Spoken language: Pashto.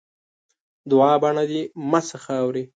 دوعا؛ بڼه دې مه شه خاوري.